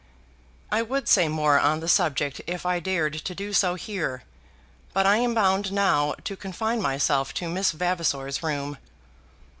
I would say more on the subject if I dared to do so here, but I am bound now to confine myself to Miss Vavasor's room.